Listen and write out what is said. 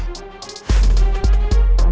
apa ini bisa terjadi